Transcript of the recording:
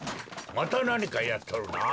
またなにかやっとるな。